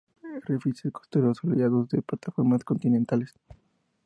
Se encuentra más a menudo en los arrecifes costeros soleados de plataformas continentales.